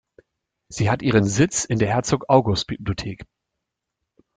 Sie hat ihren Sitz in der Herzog August Bibliothek.